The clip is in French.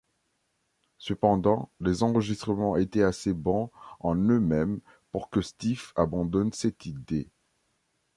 Cependant les enregistrements étaient assez bons en eux-mêmes pour que Stiff abandonne cette idée.